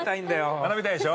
学びたいでしょ？